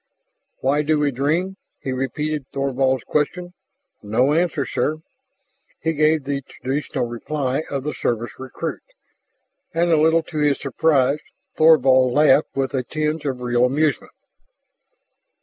"Why do we dream?" he repeated Thorvald's question. "No answer, sir." He gave the traditional reply of the Service recruit. And a little to his surprise Thorvald laughed with a tinge of real amusement.